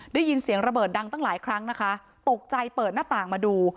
ได้ยินเสียงระเบิดดังตั้งหลายครั้งนะคะตกใจเปิดหน้าต่างมาดู